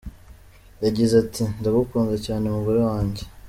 Yagize ati “Ndagukunda cyane mugore wanjye.